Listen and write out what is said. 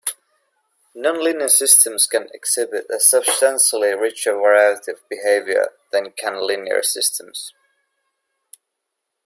Nonlinear systems can exhibit a substantially richer variety of behavior than can linear systems.